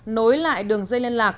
nối lại đường dây liên lạc